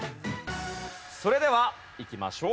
それではいきましょう。